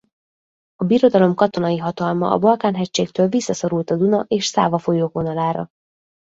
A Birodalom katonai hatalma a Balkán-hegységtől visszaszorult a Duna és Száva folyók vonalára.